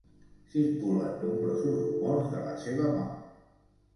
Circulen nombrosos rumors de la seva mort.